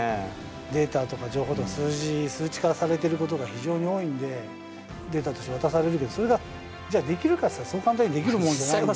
データとか情報とか、数字、数値化されていることが非常に多いんで、データとして渡される、それが、じゃあできるかっていったらできるもんじゃないんで。